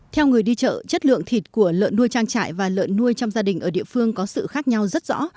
theo người đi chợ chất lượng thịt của lợn nuôi trang trại và lợn nuôi trong gia đình ở địa phương có sự khác nhau rất rõ